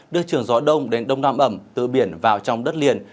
đưa trường gió đông đến đông nam ẩm tự biển vào trong đất liền